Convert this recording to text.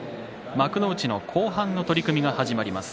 幕内の後半の取組が始まります。